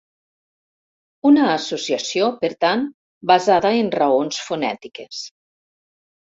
Una associació, per tant, basada en raons fonètiques.